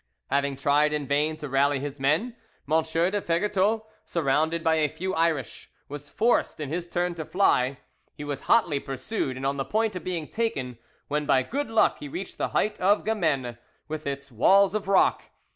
Having tried in vain to rally his men, M. de Vergetot, surrounded by a few Irish, was forced in his turn to fly; he was hotly pursued, and on the point of being taken, when by good luck he reached the height of Gamene, with its walls of rock.